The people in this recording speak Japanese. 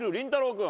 君。